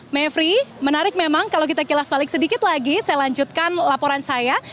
mevri menarik memang kalau kita kilas balik sedikit lagi saya lanjutkan laporan saya